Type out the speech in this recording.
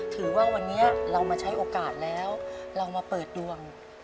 ถือว่าวันนี้เรามาใช้โอกาสแล้วเรามาเปิดดวง